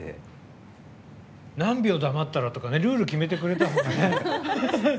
何秒黙ったらとかルール決めてくれたらね。